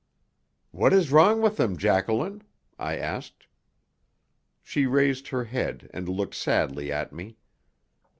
"What is wrong with them, Jacqueline?" I asked. She raised her head and looked sadly at me.